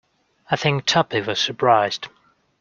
I think Tuppy was surprised.